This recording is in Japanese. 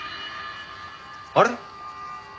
あれ？